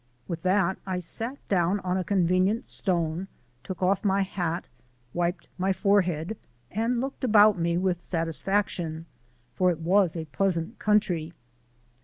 With that I sat down on a convenient stone, took off my hat, wiped my forehead, and looked about me with satisfaction, for it was a pleasant country.